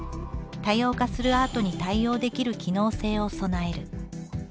多様化するアートに対応できる機能性を備える。